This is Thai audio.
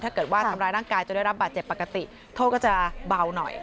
ถ้าเกิดว่าทำร้ายร่างกายจนได้รับบาดเจ็บปกติโทษก็จะเบาหน่อย